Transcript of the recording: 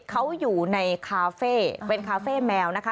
เขาอยู่ในคาเฟ่เป็นคาเฟ่แมวนะคะ